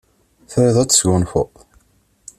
Triḍ ad tesgunfuḍ?